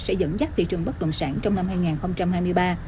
sẽ dẫn dắt thị trường bất động sản trong năm hai nghìn hai mươi ba